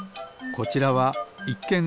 こちらはいっけん